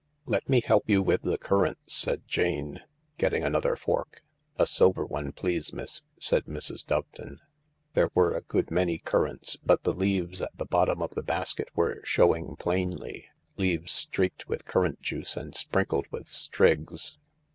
" Let me help you with the currants," said Jane, getting another fork. ("A silver one, please, miss," said Mrs. Doveton.) There were a good many currants, but the leaves at the bottom of the basket were showing plainly—leaves streaked with currant juice and sprinkled with strigs.